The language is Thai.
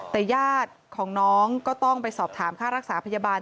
แต่ญาติของน้องก็ต้องไปสอบถามค่ารักษาพยาบาล